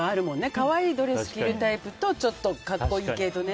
可愛いドレス着るタイプとちょっと格好いい系とね。